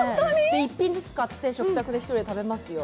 一品ずつ買って食卓で１人で食べますよ。